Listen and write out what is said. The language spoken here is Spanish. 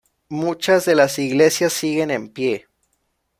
Muchas de las iglesias siguen en pie.